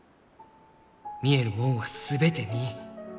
見えるもんは全て見い。